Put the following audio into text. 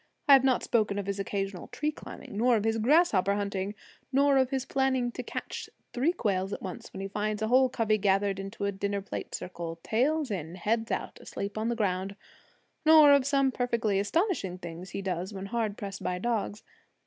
I have not spoken of his occasional tree climbing; nor of his grasshopper hunting; nor of his planning to catch three quails at once when he finds a whole covey gathered into a dinner plate circle, tails in, heads out, asleep on the ground; nor of some perfectly astonishing things he does when hard pressed by dogs.